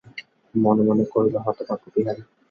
মনে মনে কহিল, হতভাগ্য বিহারী।